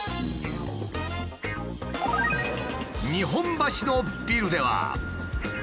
日本橋のビルでは。